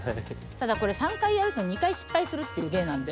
ただこれ３回やると２回失敗するっていう芸なんで。